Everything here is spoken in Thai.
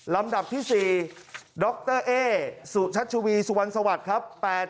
ลำดับที่๔ดรเอสุชัชวีสุวรรณสวัสดิ์ครับ